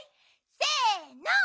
せの！